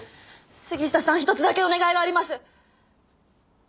杉下さん１つだけお願いがあります！